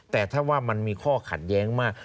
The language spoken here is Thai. แต่ถ้าว่ามันมีข้อขัดแย้งมาก